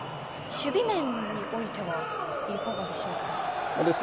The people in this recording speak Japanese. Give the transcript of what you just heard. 守備面においてはいかがでしょうか？